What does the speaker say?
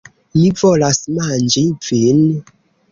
Mi volas manĝi vin!